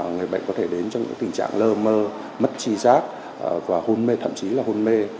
người bệnh có thể đến trong những tình trạng lơ mơ mất chi giác và hôn mê thậm chí